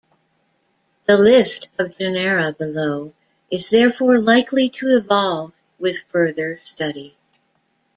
The list of genera below is therefore likely to evolve with further study.